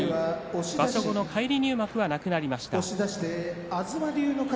場所後の返り入幕はなくなりました。